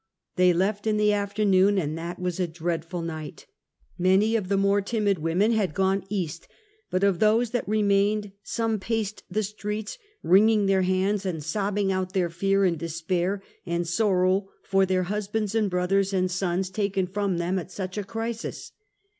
They left in the afternoon, and that was a dreadful night. Many of the more timid women had gone. east, but of those that remained some paced the streets, wringing their hands and sobbing out their fear and despair and sorrov/ for the husbands and brothers and sons taken from them at such a crisis.